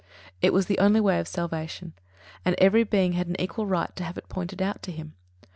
It was the only way of salvation, and every being had an equal right to have it pointed out to him.